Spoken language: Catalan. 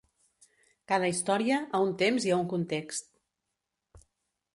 Cada història a un temps i a un context.